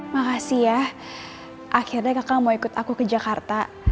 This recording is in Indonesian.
makasih ya akhirnya kakak mau ikut aku ke jakarta